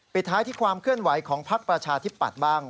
ท้ายที่ความเคลื่อนไหวของพักประชาธิปัตย์บ้าง